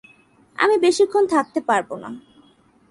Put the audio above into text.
আমি বেশিক্ষণ থাকতে পারব না।